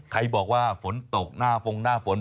ใครบอกว่าฝนตกหน้าฟงหน้าฝน